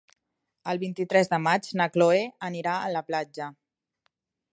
El vint-i-tres de maig na Chloé anirà a la platja.